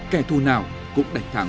kẻ thù nào cũng đánh thắng